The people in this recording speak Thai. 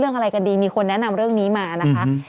อะไรกันดีมีคนแนะนำเรื่องนี้มานะคะ